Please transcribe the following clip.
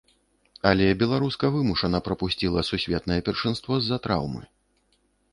Але беларуска вымушана прапусціла сусветнае першынство з-за траўмы.